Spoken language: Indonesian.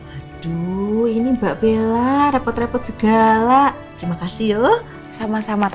aduh ini mbak bella